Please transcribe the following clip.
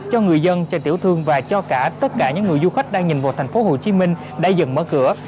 cho người dân cho tiểu thương và cho cả tất cả những người du khách đang nhìn vào thành phố hồ chí minh đã dần mở cửa